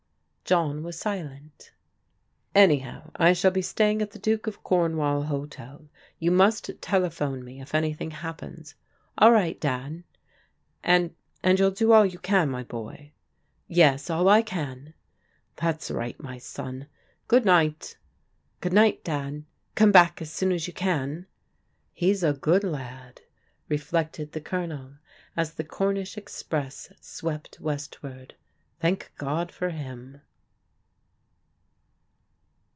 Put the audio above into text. John was silent. "Anyhow I shall be staying at the Duke of Cornwall Hotel. You must telephone me if anything happens." " All right, Dad." " And — and you'll do all you can, my boy.'* " Yes,— all I can." " That's right, my son. Good night." " Good night, Dad. Come back as soon as you can." " He's a good lad," reflected the Colonel, as the Cor nish express swept westward.